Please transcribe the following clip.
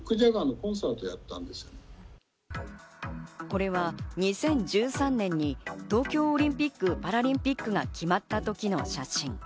これは２０１３年に東京オリンピック・パラリンピックが決まった時の写真。